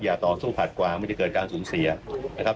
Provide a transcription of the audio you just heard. ต่อสู้ขัดขวางไม่ได้เกิดการสูญเสียนะครับ